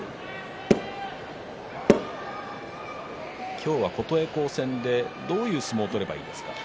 今日は琴恵光戦でどういう相撲を取ればいいですか。